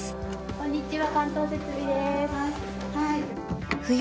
こんにちは。